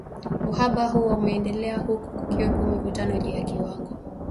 uhaba huo umeendelea huku kukiwepo mivutano juu ya kiwango